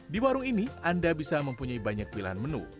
di warung ini anda bisa mempunyai banyak pilihan menu